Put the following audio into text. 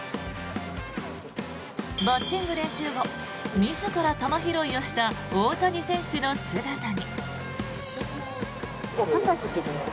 バッティング練習後自ら球拾いをした大谷選手の姿に。